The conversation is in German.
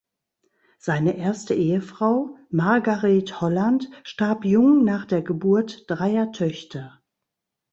Seine erste Ehefrau, Margaret Holland, starb jung nach der Geburt dreier Töchter.